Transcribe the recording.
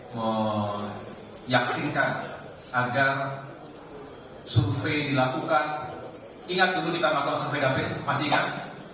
meyakinkan agar survei dilakukan ingat dulu kita melakukan survei dapil pasti ingat